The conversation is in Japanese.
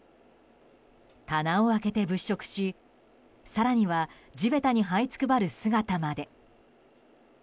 棚を開けて物色し、更には地べたにはいつくばる姿まで。